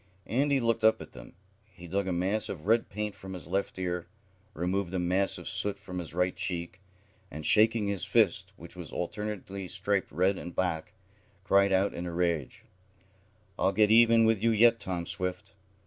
Andy looked up at them. He dug a mass of red paint from his left ear, removed a mass of soot from his right cheek, and, shaking his fist, which was alternately striped red and black, cried out in a rage: "I'll get even with you yet, Tom Swift!"